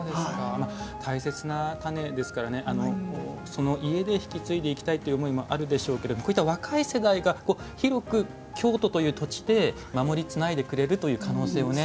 大切な種ですからねその家で引き継いでいきたいという思いもあるでしょうけどこういった若い世代が広く京都という土地で守りつないでくれるという可能性がね。